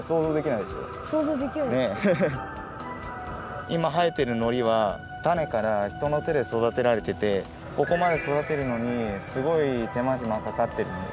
いまはえてるのりは種から人の手で育てられててここまで育てるのにすごいてまひまかかってるんだよ。